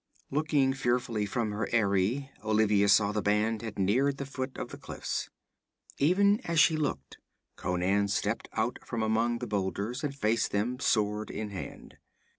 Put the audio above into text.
Looking fearfully from her eyrie, Olivia saw the band had neared the foot of the cliffs. Even as she looked, Conan stepped out from among the boulders and faced them, sword in hand.